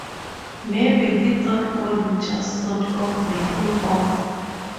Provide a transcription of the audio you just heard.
Maybe he thought God would just sort of let him off.